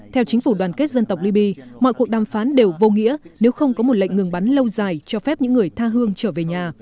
theo chính phủ đoàn kết dân tộc libya mọi cuộc đàm phán đều vô nghĩa nếu không có một lệnh ngừng bắn lâu dài cho phép những người tha hương trở về nhà